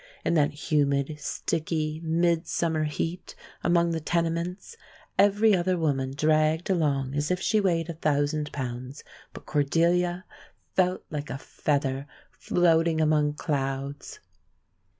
In that humid, sticky, midsummer heat among the tenements, every other woman dragged along as if she weighed a thousand pounds, but Cordelia felt like a feather floating among clouds.